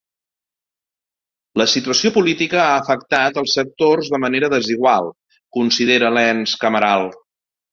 La situació política ha afectat els sectors de manera ‘desigual’, considera l’ens cameral.